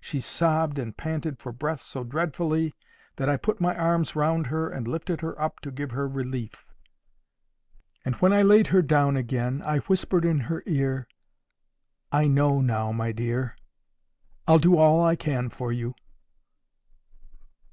She sobbed and panted for breath so dreadfully, that I put my arms round her and lifted her up to give her relief; and when I laid her down again, I whispered in her ear, "I know now, my dear. I'll do all I can for you."